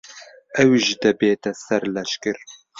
ئەویش دەبێتە سەرلەشکر.